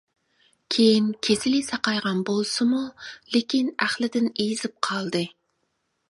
كېيىن كېسىلى ساقايغان بولسىمۇ لېكىن ئەقلىدىن ئېزىپ قالدى.